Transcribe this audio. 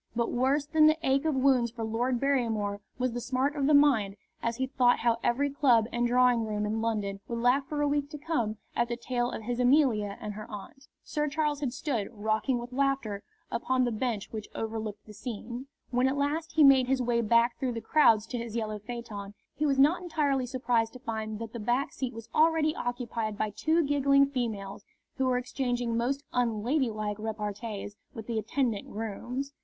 But worse than the ache of wounds for Lord Barrymore was the smart of the mind as he thought how every club and drawing room in London would laugh for a week to come at the tale of his Amelia and her aunt. Sir Charles had stood, rocking with laughter, upon the bench which overlooked the scene. When at last he made his way back through the crowds to his yellow phaeton, he was not entirely surprised to find that the back seat was already occupied by two giggling females, who were exchanging most unladylike repartees with the attendant grooms.